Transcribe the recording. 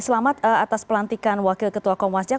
selamat atas pelantikan wakil ketua komwasjak